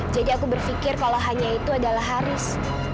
jadi aku berpikir kalau hanya itu adalah haris